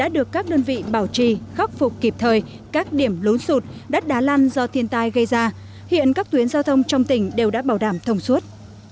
được các đơn vị bảo trì khắc phục kịp thời các điểm lốn sụt đắt đá lan do thiên tai gây ra hiện các tuyến giao thông trong tỉnh đều đã bảo đảm thông suốt